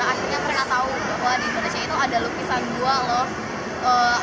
akhirnya pernah tahu bahwa di indonesia itu ada lukisan dua loh